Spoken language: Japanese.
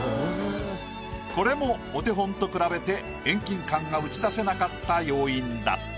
これもお手本と比べて遠近感が打ち出せなかった要因だった。